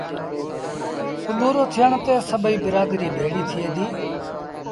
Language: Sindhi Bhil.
سُڀورو ٿيڻ تي سڀئيٚ برآدريٚ ڀيڙيٚ ٿئي ديٚ